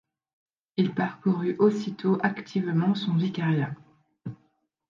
Il parcourut aussitôt activement son vicariat.